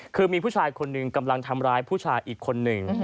คือมีผู้ชายคนหนึ่งกำลังทำร้ายผู้ชายอีกคนหนึ่ง